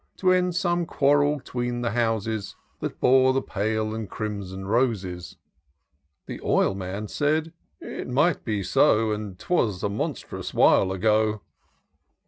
340 To end some quarrel 'tween the houses That bore the pale and crimson roses.' The Oihnan said, * It might be so ; And 'twas a monstrous while ago.'